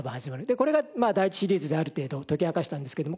でこれが第１シリーズである程度解き明かしたんですけども。